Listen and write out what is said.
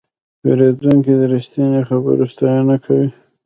پیرودونکی د رښتیني خبرو ستاینه کوي.